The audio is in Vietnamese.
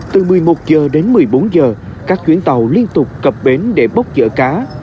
từ một mươi một h đến một mươi bốn giờ các chuyến tàu liên tục cập bến để bốc dở cá